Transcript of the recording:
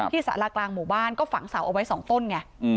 สารากลางหมู่บ้านก็ฝังเสาเอาไว้๒ต้นไง